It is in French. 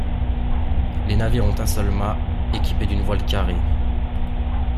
Les navires ont un seul mât, équipé d'une voile carrée.